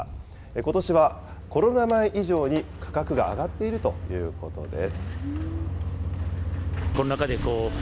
ことしはコロナ前以上に価格が上がっているということです。